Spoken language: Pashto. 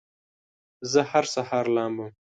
زه هر سهار لامبم